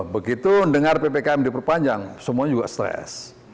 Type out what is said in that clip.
begitu dengar ppkm diperpanjang semuanya juga stres